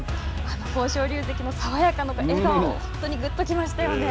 豊昇龍関のあの笑顔、本当にぐっときましたよね。